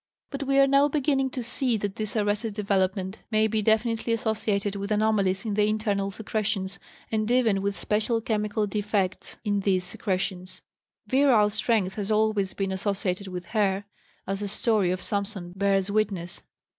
But we are now beginning to see that this arrested development may be definitely associated with anomalies in the internal secretions, and even with special chemical defects in these secretions. Virile strength has always been associated with hair, as the story of Samson bears witness.